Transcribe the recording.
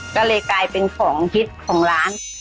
ก็เลยกลายเป็นของฮิตของร้าน